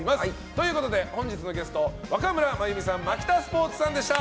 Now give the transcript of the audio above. ということで本日のゲスト若村麻由美さんマキタスポーツさんでした！